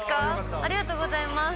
ありがとうございます。